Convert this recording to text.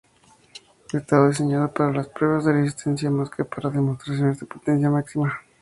Estaba diseñado para las pruebas de "resistencia" más que para demostraciones de potencia máxima.